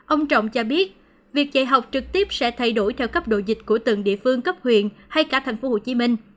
ông trọng cho biết việc dạy học trực tiếp sẽ thay đổi theo cấp độ dịch của từng địa phương cấp huyện hay cả tp hcm